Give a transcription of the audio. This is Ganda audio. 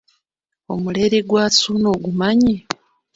Omulere gwa Ssuuna ogumanyi?